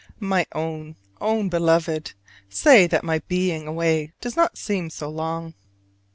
My Own, Own Beloved: Say that my being away does not seem too long?